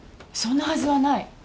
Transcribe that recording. そんなはずはない。